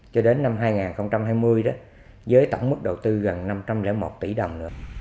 cho đến năm hai nghìn hai mươi với tổng mức đầu tư gần năm trăm linh một tỷ đồng